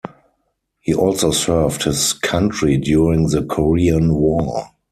He also served his country during the Korean War.